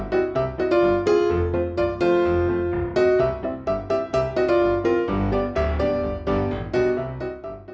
โปรดติดตามตอนต่อไป